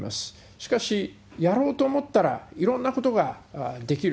しかし、やろうと思ったらいろんなことができる。